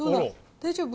大丈夫？